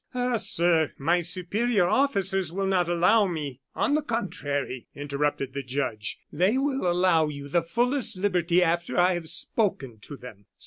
"Ah! sir, my superior officers will not allow me " "On the contrary," interrupted the judge, "they will allow you the fullest liberty after I have spoken to them."